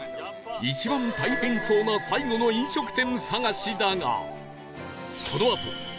一番大変そうな最後の飲食店探しだが